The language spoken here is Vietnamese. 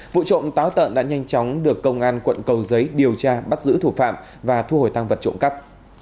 vụ trộm táo tận đã nhanh chóng được công an quận cầu giấy điều tra bắt giữ thủ phạm và thu hồi tăng vật trộm cắp